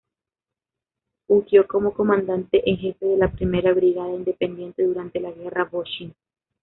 Fungió como comandante en jefe de la Primera Brigada Independiente durante la Guerra Boshin.